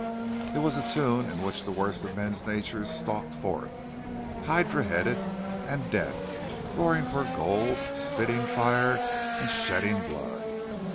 It was a tune in which the worst of men's natures stalked forth, hydra headed and deaf, roaring for gold, spitting fire, and shedding blood.